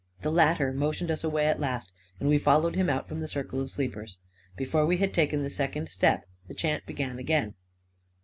The latter motioned us away at last, and we followed him out from the circle of sleepers. Before we had taken the second step, the chant began again.